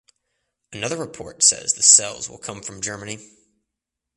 Another report says the cells will come from Germany.